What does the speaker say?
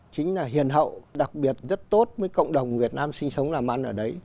chính là hiền hậu đặc biệt rất tốt với cộng đồng việt nam sinh sống làm ăn ở đấy